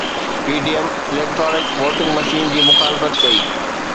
PDM electronic voting machine جي مخالفت ڪئي